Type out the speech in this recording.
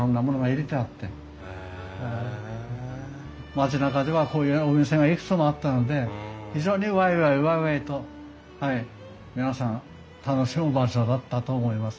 町なかではこういうお店がいくつもあったので非常にワイワイワイワイと皆さん楽しむ場所だったと思います。